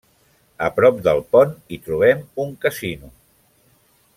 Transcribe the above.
A prop del pont hi trobem un casino.